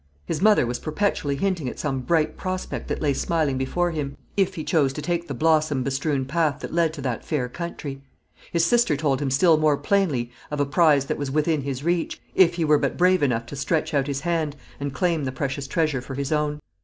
His mother was perpetually hinting at some bright prospect that lay smiling before him, if he chose to take the blossom bestrewn path that led to that fair country. His sister told him still more plainly of a prize that was within his reach, if he were but brave enough to stretch out his hand and claim the precious treasure for his own.